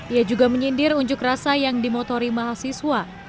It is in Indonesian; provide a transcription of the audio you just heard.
ia juga menyindir unjuk rasa yang dimotori mahasiswa